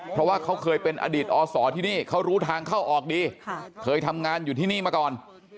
เพราะว่าเขาเคยเป็นอดีตอศที่นี่เขารู้ทางเข้าออกดีเคยทำงานอยู่ที่นี่มาก่อน